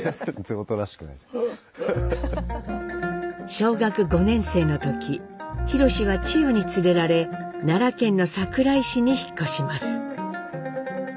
小学５年生の時宏はチヨに連れられ奈良県の桜井市に引っ越します。